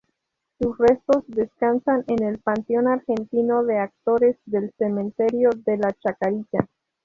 Sus restos descansan en el Panteón argentino de actores del Cementerio de la Chacarita.